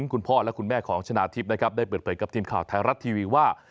คุณพ่อและคุณแม่ของชนะทิพย์นะครับได้เปิดเผยกับทีมข่าวไทยรัฐทีวีว่า